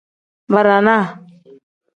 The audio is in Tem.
Barana.